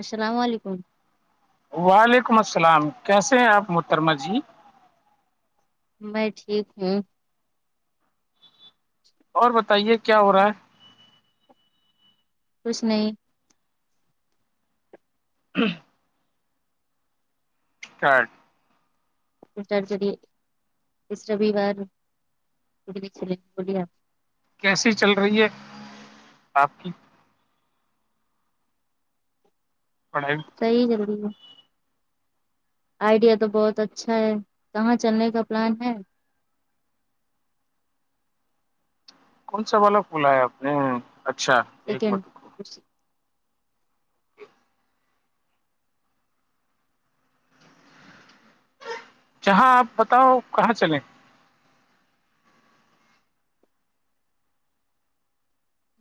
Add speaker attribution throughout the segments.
Speaker 1: السلام علیکم
Speaker 2: وعلیکم السلام کیسے ہیں آپ محترمہ جی
Speaker 1: میں ٹھیک ہوں
Speaker 2: اور بتائیے کیا ہو رہا ہے
Speaker 1: کچھ نہیں
Speaker 2: ہوں [inaudible]
Speaker 1: [unintelligible] اس ریویوار
Speaker 2: کیسی چل رہی ہے آپ کی پڑھائی
Speaker 1: صحیح چل رہی ہے آئیڈیا تو بہت اچھا ہے کہاں چلنے کا پلان ہے
Speaker 2: کون سا والا پھلا ہے آپ نے اچھا ایک
Speaker 1: سیکنڈ
Speaker 2: منٹ رکو،
Speaker 1: آس
Speaker 2: جہاں آپ بتاؤ کہاں چلیں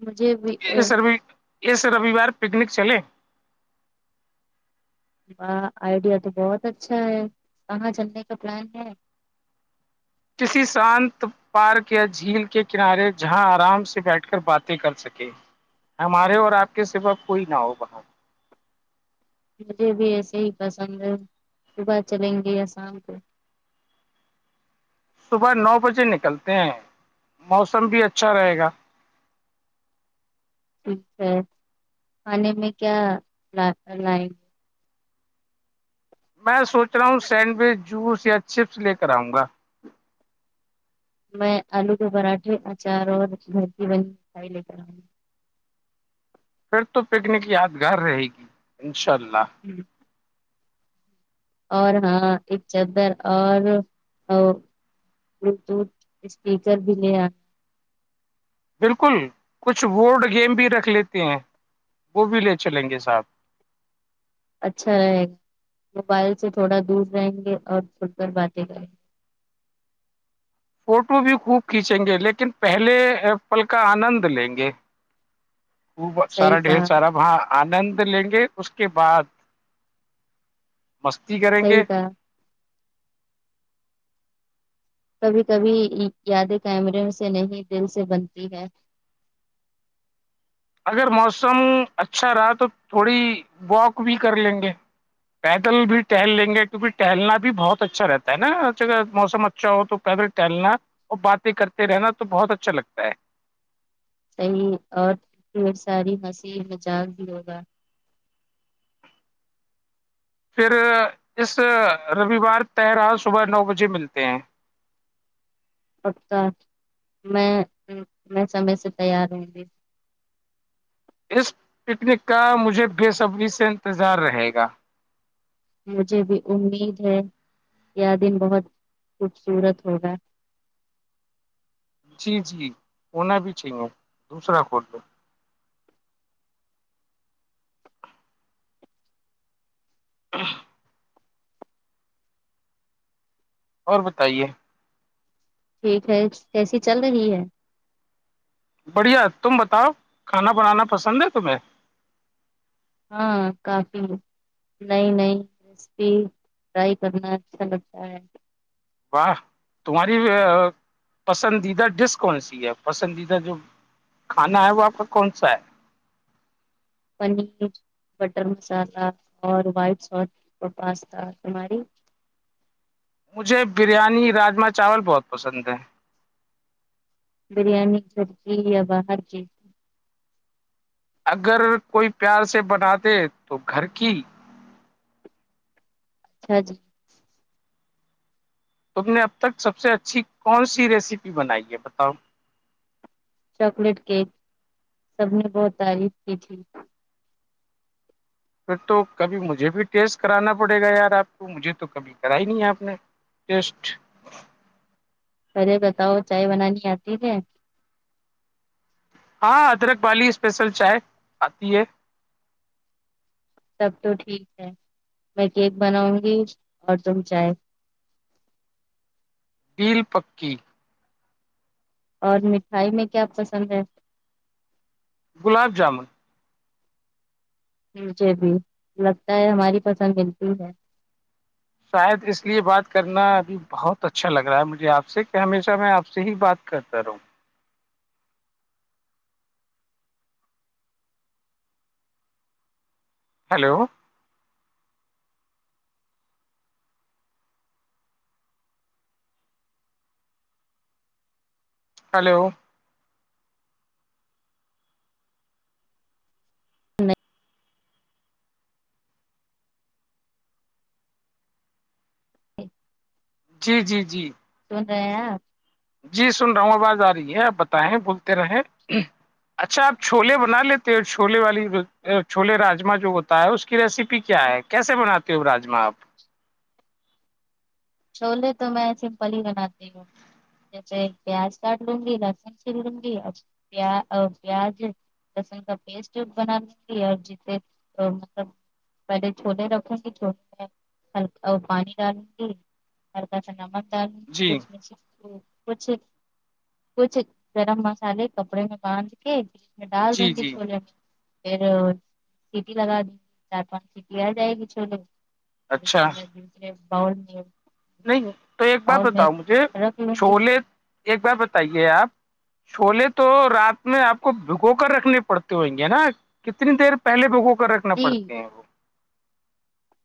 Speaker 1: مجھے بھی
Speaker 2: اس ریوی اسرویوار پکنک چلے
Speaker 1: واہ آئیڈیا تو بہت اچھا ہے کہاں جلنے کا پلان ہے
Speaker 2: کسی شانت پارک یا جھیل کے کنارے جہاں آرام سے بیٹھ کر باتیں کر سکے ہمارے اور آپ کے سیوا کوئی نہ ہو وہاں
Speaker 1: مجھے بھی ایسے ہی پسند ہے صبح چلیں گے یا شام کو
Speaker 2: صبح نو بجے نکلتے ہیں موسم بھی اچھا رہے گا
Speaker 1: ٹھیک ہے کھانے میں کیا لائن
Speaker 2: بس سوچ رہا ہوں سینڈوچ جوس یا چپس لے کر آؤں گا
Speaker 1: میں آلو کے پراٹھے اچار اور گھر کی بنی مٹھائی لے کر آؤ گی
Speaker 2: پھر تو پکنک یادگار رہے گی ان شاء اللہ
Speaker 1: ہوں اور ہاں ایک چدر اور بلوٹوتھ اسپیکر بھی لےیا
Speaker 2: بالکل کچھ بورڈ گیم بھی رکھ لیتے ہیں وہ بھی لے چلیں گے صاحب
Speaker 1: اچھا رہے گا موبائل سے تھوڑا دور رہیں گے اور کھل کر باتیں کریں گے
Speaker 2: فوٹو بھی خوب کھینچیں گے لیکن پہلے پل کا آنند لیں گے خوب سارا
Speaker 1: صحیح
Speaker 2: ڈھیر
Speaker 1: کہا
Speaker 2: سارا وباں آنند لیں گے اس کے بعد مستی کریں
Speaker 1: صحیح
Speaker 2: گے
Speaker 1: کہا کبھی کبھی یادیں کیمروں سے نہیں دل سے بنتی ہے
Speaker 2: اگر موسم اچھا رہا تو تھوڑی واک بھی کر لیں گے پیدل بھی ٹہل لیں گے کیونکہ ٹہلنا بھی بہت اچھا رہتا ہے نا جگر موسم اچھا ہو تو پیدل ٹیہلنا اور باتیں کرتے رہنا تو بہت اچھا لگتا ہے
Speaker 1: صحیح اور ڈھیر ساری ہسی [unintelligible] بھی ہوگا
Speaker 2: پھر اس روئوار تہرا صبح نو بجے ملتے ہیں
Speaker 1: اتا میں میں سمے سے تیار رہوں گی
Speaker 2: اس پکنک کا مجھے بے صبری سے انتظار رہے گا
Speaker 1: مجھے بھی امید ہے یہ دن بہت خوبصورت ہوگا
Speaker 2: جی جی ہونا بھی چاہیے دوسرا کول لو [inaudible] اور بتائیے
Speaker 1: ٹھیک ہے کیسی چل رہی ہے
Speaker 2: بڑھیا تم بتاؤ کھانا بنانا پسند ہے تمہیں
Speaker 1: ہاں کافی ہے نئی نئی ریسپی ٹرائی کرنا اچھا لگتا ہے
Speaker 2: واہ تمہاری پسندیدہ ڈس کون سی ہے پسندیدہ جو کھانا ہے وہ اپ کا کون سا ہے
Speaker 1: پنیر بٹر مسالحہ اور وائٹ سوت اور پاستا تمہاری
Speaker 2: مجھے بریانی راجما چاول بہت پسند ہیں
Speaker 1: بریانی گھرکی یا باہر کی
Speaker 2: اگر کوئی پیار سے بناتے تو گھر کی
Speaker 1: ہاں جی
Speaker 2: تم نے اب تک سب سے اچھی کون سی ریسیپی بنائی ہے بتاؤ
Speaker 1: چاکلیٹ کیک سب نے بہت تعریف کی تھی
Speaker 2: پھر تو کبھی مجھے بھی ٹیسٹ کرانا پڑے گا یار آپ کو مجھے تو کبھی کرا ہی نہیں آپ نے ٹیسٹ
Speaker 1: پہلے بتاؤ چائے بنانی آتی ہے
Speaker 2: ہاں ادرک والی اسپیشل چائے آتی ہے
Speaker 1: تب تو ٹھیک ہے میں کیک بناؤں گی اور تم چاے
Speaker 2: ڑبیل پکی
Speaker 1: اور مٹھائی میں کیا پسند ہے
Speaker 2: گلاب جامن
Speaker 1: مجھے بھی لگتا ہے ہماری پسند بالکل ہے
Speaker 2: شاید اس لیے بات کرنا ابھی بہت اچھا لگ رہا ہے مجھے آپ سے کہ ہمیشہ میں آپ سے ہی بات کرتا رہوں ہیلو ہلو
Speaker 1: نہیں
Speaker 2: جی جی جی
Speaker 1: سن رہے ہیں اپ
Speaker 2: جی سن رہا ہوں آواز آ رہی ہے آپ بتائیں بولتے رہیں اچھا آپ چھولے بنا لیتے ہو چھولے والی چھولے راجما جو ہوتا ہے اس کی ریسیپی کیا ہے کیسے بناتے ہو راجما آپ
Speaker 1: چھولے تو میں ایسے سمپل ہی بناتی ہوں جیسے پیاز کاٹ لوں گی لہسن سل لوں گی پ پیاز س کا پیسٹ بھی بناتی اور ج مطلب پہلے چھولے رکھیں گی چھولے میں ہلکا وہ پانی ڈالیو گی ہلکا سا نمک
Speaker 2: جی
Speaker 1: ڈالوگی کچھ کچھ گرم مسالے کپڑے میں بانھد کے ڈال
Speaker 2: جی
Speaker 1: دونگی
Speaker 2: جی
Speaker 1: چھوولے پھر سیٹی لگا دی چار پانچ سیٹی آ جائے گی چھولے میں
Speaker 2: اچھا
Speaker 1: دوسرے با میں
Speaker 2: نہیں تو ایک بار
Speaker 1: باؤل میں
Speaker 2: بتاؤ مجھے
Speaker 1: رکھ لوں گی
Speaker 2: چھولے ایک بار بتائیے آپ چھولے تو رات میں آپ کو بھگو کر رکھنے پڑتے ہویں گے نا کتنی دیر پہلے بوگو کر رکھنا
Speaker 1: جی
Speaker 2: پڑتے ہیں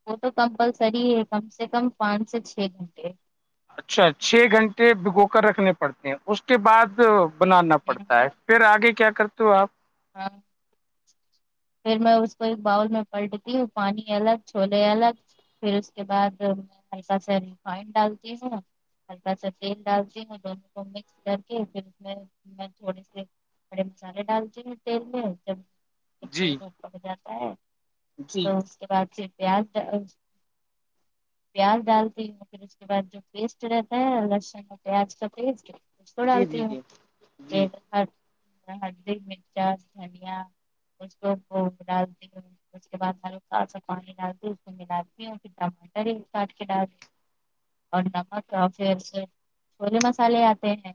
Speaker 1: وہ تو کمپلسری ہے کم سے کم پانچ سے چھ گھنٹے
Speaker 2: اچھا چھ گھنٹے بھگو کر رکھنے پڑتے ہیں اس کے بعد بنانا پڑتا ہے پھر آگے کیا کرتے ہو آپ
Speaker 1: ہاں پھر میں اس کو ایک باؤل میں پٹتی ہوں پانی الگ چھولے الگ پھر اس کے بعد پسہ سے ریفائن ڈالتی ہے نا ہلکا س تیل ڈالتی ہوں دونوں کو مکس کر کے پھر اس میں میں تھوڑی سےی بڑے مسالے ڈالتے ہیں تیل میں جب جب
Speaker 2: جی
Speaker 1: تیل میں پڑ جاتا ہے
Speaker 2: جی
Speaker 1: تو کے بعد پھر پیاز پیاز ڈالتی ہوں اس کے بعد جو پیسٹ رہتا ہے لہسن پیاز کا پیسٹ و
Speaker 2: جی
Speaker 1: ڈالتی
Speaker 2: جی جی
Speaker 1: ہوں
Speaker 2: جی
Speaker 1: پ ہلدی میں پیاز دھنیا کچھ لوگ اسونف کو ڈالتی ہوں اس کے بعد آلو سال سا پانی ڈالتی اس میں ملاتی اور پھر ٹماٹر ہی کاٹ کے ڈالتی اور نمک اور پھر سے چھولے مسالے آتے ہیں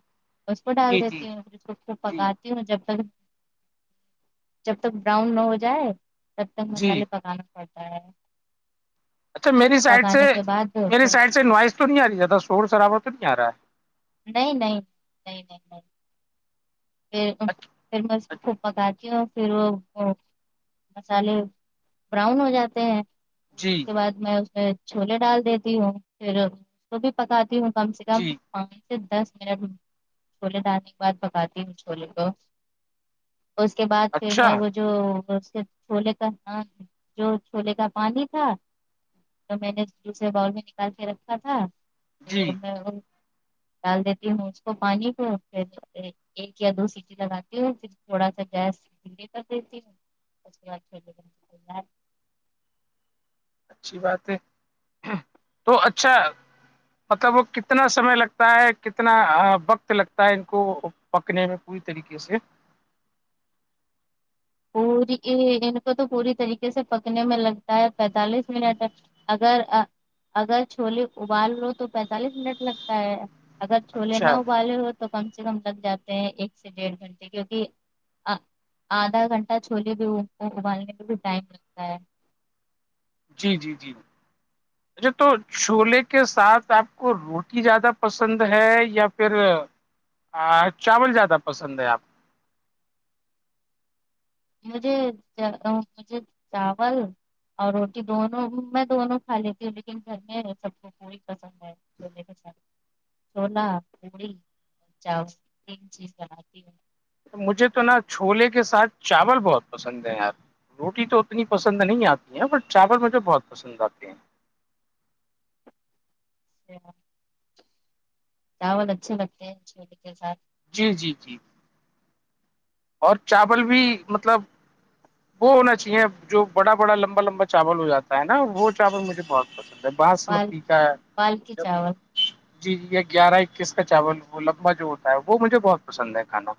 Speaker 1: اس کو ڈال
Speaker 2: جی جی
Speaker 1: دیتی ہوں پھر کو کو
Speaker 2: جی
Speaker 1: پکاتی ہوں جب تک جب تک براؤن نہ ہو جائے تب تک
Speaker 2: جی
Speaker 1: مسالے پکانا پڑتا ہے
Speaker 2: اچھا میری سائڈ سے
Speaker 1: پکانے کے بعد پھر
Speaker 2: میری سائڈ سے نوائز تو نہیں آ رہی زیادہ شور شرابا تو نہیں آ رہا ہے
Speaker 1: نہیں نہیں نہیں نہیں نہیں پھر پھر میں اس کو پکاتی ہوں پھر وہ مسالے براؤن ہو جاتے ہیں اس
Speaker 2: جی
Speaker 1: کے بعد میں اس میں چھولے ڈال دیتی ہوں پھر اس کو بھی پکاتی ہوں کم سے کم
Speaker 2: جی
Speaker 1: پانچ سے دس منٹ چھولے ڈالنے کے بعد پکاتی ہوں چھوولے کو اس کے بعد پھر
Speaker 2: اچھا
Speaker 1: میں وہ جو اس چھولے کا جو چھولے کا پانی تھا تو میں نے دوسرے باول میں نکال کے رکھا تھا
Speaker 2: جی
Speaker 1: میں ڈال دیتی ہوں اس کو پانی پہ پھر ایک یا دو سیٹی لگاتی ہو پھر تھوڑا سا گیس لے کر دیتیوں اس کے بعد
Speaker 2: اچھی بات ہے تو اچھا مطلب وہ کتنا سمے لگتا ہے کتنا وقت لگتا ہے ان کو پکنے میں پوری طریقے کسے
Speaker 1: پوری ان کو تو پوری طریقے سے پکنے میں لگتا ہے پینتالیس منٹ اگر اگر چھولے ابال لو تو پینتالیس منٹ لگتا ہے اگر چھولے نہ
Speaker 2: اچھا
Speaker 1: ابالے ہو تو کم سے کم لگ جاتے ہیں ایک سے ڈیڑھ گھنٹے کیوںکہ آدھا گھنٹہ چھولے بھی ان کو ابالنے میں بھی ٹائم لگتا ہے
Speaker 2: جی جی جی
Speaker 1: [inaudible]
Speaker 2: اچھا تو چھولے کے ساتھ آپ کو روٹی زیادہ پسند ہے یا پھر چاول زیادہ پسند ہے آپ کو
Speaker 1: مجھے مجھے چاول اور روٹی دونوں میں دونوں کھا لیتی ہوں لیکن گھر میں سب کو پی پسند ہے چنے کاے ساتھ چھونا پوڑی چاؤین چیز بناتی ہوں
Speaker 2: مجھے تو نا چھولے کے ساتھ چاول بہت پسند ہے یار روٹی تو اتنی پسند نہیں آتی ہے پر چاول مجھے بہت پسند آتے ہیں
Speaker 1: اچھا چاول اچھے لگتے ہیں چھولے کے ساتھ
Speaker 2: جی جی جی اور چاول بھی مطلب وہ ہونا چاہیے جو بڑا بڑا لمبا لمبا چاول ہو جاتا ہے نا وہ چاول مجھے بہت پسند ہے
Speaker 1: پال
Speaker 2: باسمتی کا
Speaker 1: پال کے چاول
Speaker 2: جی جی یہ گیارہ اکیس کا چاول وہ لمبہ جو ہوتا ہے وہ مجھے بہت پسند ہے کھانا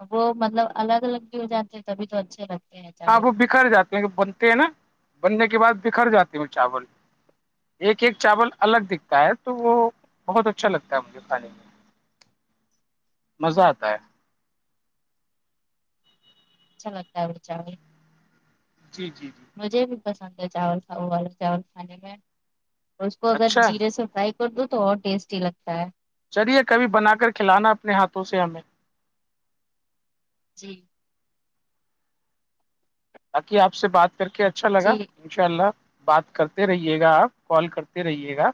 Speaker 1: ا وہ مطلب الگ الگ بھی ہو جاتے تبھی تو اچھے لگتے ہیں
Speaker 2: ہاں
Speaker 1: چاول
Speaker 2: وہ بکھر جاتے ہیں کہ بنتے ہیں نا بننے کے بعد بکھر جاتے ہیں چاول ایک ایک چاول الگ
Speaker 1: اچھا
Speaker 2: دکھتا ہے تو وہ بہت اچھا لگتا ہے مجھے کھانے میں مزہ آتا ہے
Speaker 1: اچھا لگتا ہے چاول
Speaker 2: جی جی جی
Speaker 1: مجھے بھی پسند ہے چاول والا چاول کھانے میں اس کو اگر
Speaker 2: اچھا ہے
Speaker 1: جیرے سے فرائی کدو تو اور ٹیسٹی لگتا ہے
Speaker 2: چلیے کبھی بنا کر کھلانا اپنے ہاتھوں سے ہمیں
Speaker 1: جی
Speaker 2: باقی آپ سے بات کر کے اچھا لگا
Speaker 1: جی
Speaker 2: انشاء اللہ بات کرتے رہیے گا آپ کال کرتے رہیے گا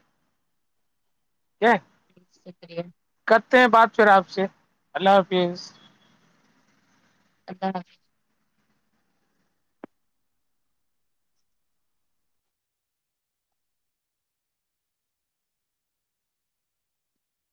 Speaker 2: کیا [unintelligible]
Speaker 1: جی شکریہ
Speaker 2: کرتے ہیں بات پھر آپ سے اللہ حافظ
Speaker 1: اللہ حافظ